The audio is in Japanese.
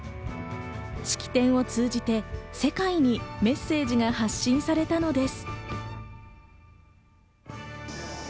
式典を通じて世界にメッセージが発信されたのです。